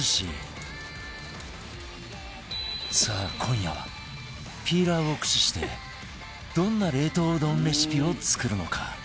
さあ今夜はピーラーを駆使してどんな冷凍うどんレシピを作るのか？